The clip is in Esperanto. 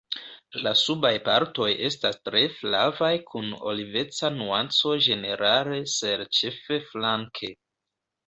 La subaj partoj estas tre flavaj kun oliveca nuanco ĝenerale ser ĉefe flanke.